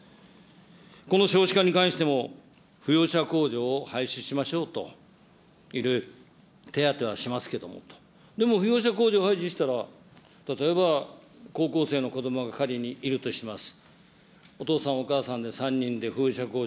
この少子化に関しても、扶養者控除を廃止しましょうと、いろいろ手当はしますけどもと、でも扶養者控除廃止したら、例えば高校生の子どもが仮にいるとします。